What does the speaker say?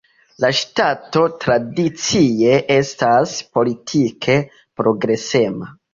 La ŝtato tradicie estas politike progresema.